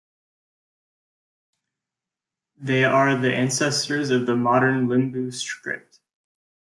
They are the ancestors of the modern Limbu script.